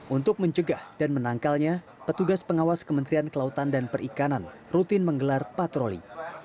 untuk mencegah dan menangkalnya petugas pengawas kementerian kelautan dan perikanan rutin menggelar patroli